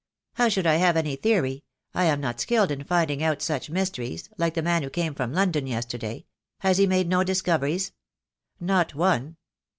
"How should I have any theory? I am not skilled in finding out such mysteries, like the man who came from London yesterday. Has he made no discoveries?" "Not one."